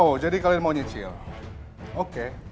oh jadi kalian mau nyicil oke